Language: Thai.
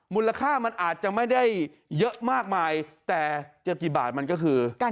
มูลค่ามันอาจจะไม่ได้เยอะมากมายแต่จะกี่บาทมันก็คือ